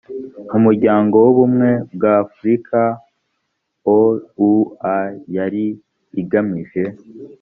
mu muryango w ubumwe bw afurika oua yari igamije